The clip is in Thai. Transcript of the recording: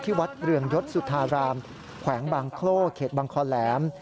วัดเรืองยศสุธารามแขวงบางโคร่เขตบางคอแหลม